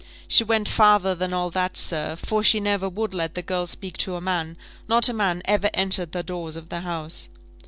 She went farther than all that, sir, for she never would let the girl speak to a man not a man ever entered the doors of the house."